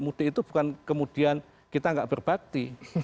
mudik itu bukan kemudian kita nggak berbakti